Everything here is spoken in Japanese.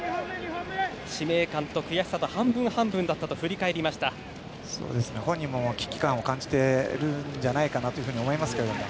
使命感と悔しさと半分半分だったと本人も危機感を感じているんじゃないかと思いますけれども。